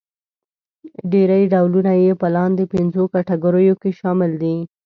ډېری ډولونه يې په لاندې پنځو کټګوریو کې شامل دي.